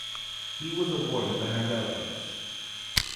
He was awarded the Handel Prize.